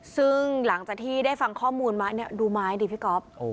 ซึ่งหลังจากที่ได้ฟังข้อมูลไม้เนี่ยดูไม้ดิพี่ก๊อฟ